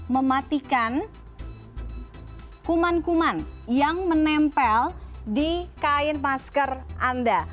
mematikan kuman kuman yang menempel di kain masker anda